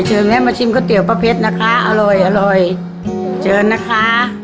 เชิญแม่มาชิมก๋อเตี๋ยวป้าเพชรนะคะอร่อยเชิญนะคะ